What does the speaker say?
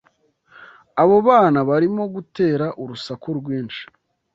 Abo bana barimo gutera urusaku rwinshi.